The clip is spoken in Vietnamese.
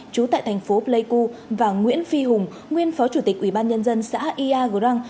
trú tại thành phố pleiku và nguyễn phi hùng nguyên phó chủ tịch ubnd xã iagrang